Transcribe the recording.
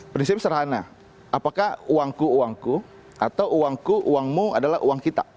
prinsip serhana apakah uangku uangku atau uangku uangmu adalah uang kita